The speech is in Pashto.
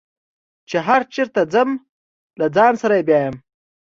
چې هر چېرته ځم له ځان سره یې بیایم.